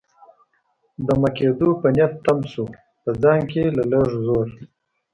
دمه کېدو په نیت تم شوم، په ځان کې له لږ زور.